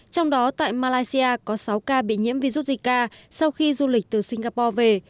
trong đó tại malaysia có sáu ca bị nhiễm virus zika sau khi du lịch từ singapore về